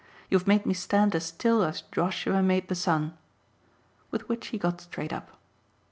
You've made me stand as still as Joshua made the sun." With which he got straight up.